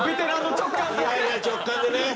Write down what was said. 直感でね。